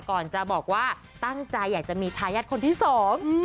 ก่อนจะบอกว่าตั้งใจอยากจะมีทายาทคนที่สอง